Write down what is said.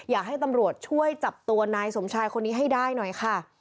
อยากให้ตำรวจช่วยจับตัวนายสมชายคนนี้ให้ได้หน่อยค่ะ